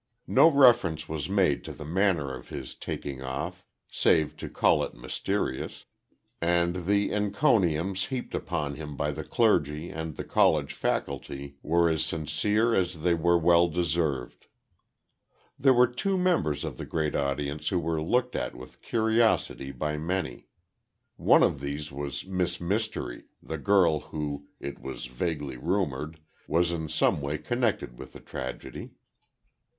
No reference was made to the manner of his taking off, save to call it mysterious, and the encomiums heaped upon him by the clergy and the college faculty were as sincere as they were well deserved. There were two members of the great audience who were looked at with curiosity by many. One of these was Miss Mystery, the girl who, it was vaguely rumored was in some way connected with the tragedy.